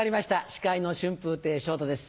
司会の春風亭昇太です。